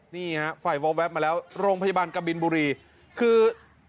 นี่ฮะไฟล์โว๊คแวปมาแล้วโรงพยาบาลกะบินบุรีคือ